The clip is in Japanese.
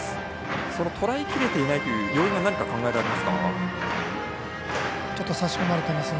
とらえきれない要因は何か考えられますか。